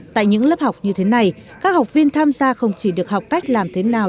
tại những lớp học như thế này các học viên tham gia không chỉ được học cách làm thế nào